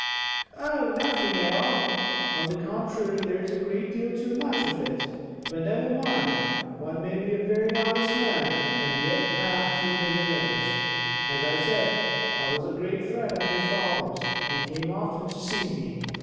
"Oh! nothing at all. On the contrary there is a great deal too much of it; but never mind, one may be a very honest man, and yet have too big a nose. As I said, I was a great friend of your father's; he came often to see me.